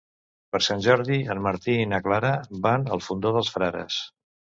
Per Sant Jordi en Martí i na Clara van al Fondó dels Frares.